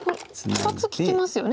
２つ利きますよね